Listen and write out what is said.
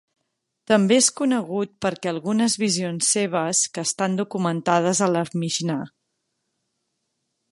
També és conegut perquè algunes visions seves que estan documentades a la Mixnà.